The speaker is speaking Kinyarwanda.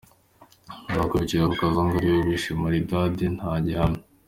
Nubwo bikekwa ko Kazungu ari we wishe Maridadi, nta gihamya.